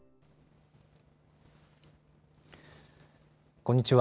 こんにちは。